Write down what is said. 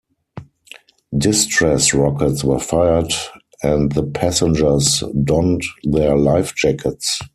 Distress rockets were fired and the passengers donned their lifejackets.